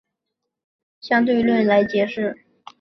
因此这效应完全能够由广义相对论来解释。